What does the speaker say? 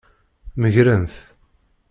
Megren-t.